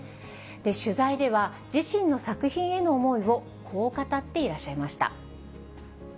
取材では、自身の作品への思いをこう語っていらっしゃいました。